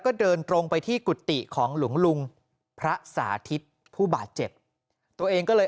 ก็เดินตรงไปที่กุฏิของหลวงลุงพระสาธิตผู้บาดเจ็บตัวเองก็เลย